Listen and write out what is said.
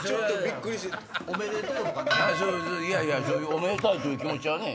おめでたいという気持ちはね